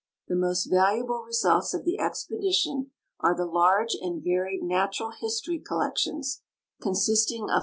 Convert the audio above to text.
The most valuable results of the expedition are the large and varied natural history collections, con 220 MISCELLANEA.